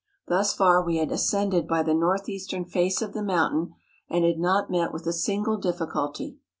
Thus far we had as¬ cended by the north eastern face of the mountain, and had not met with a single difficulty.